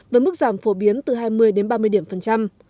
với mức giảm phổ biến từ hai mươi đến ba mươi điểm phần trăm